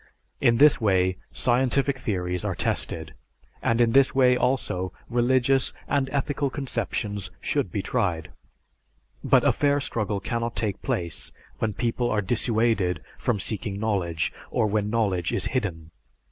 It is this way scientific theories are tested, and in this way also, religious and ethical conceptions should be tried. But a fair struggle cannot take place when people are dissuaded from seeking knowledge, or when knowledge is hidden."